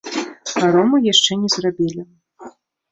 Парому яшчэ не зрабілі.